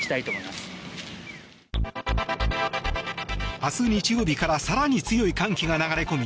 明日日曜日から更に強い寒気が流れ込み